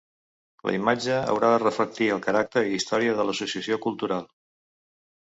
La imatge haurà de reflectir el caràcter i història de l’associació cultural.